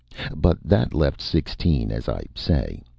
But that left sixteen, as I say.